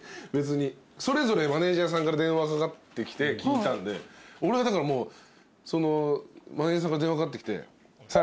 それぞれマネジャーさんから電話かかってきて聞いたんで俺はだからもうそのマネジャーさんから電話かかってきて。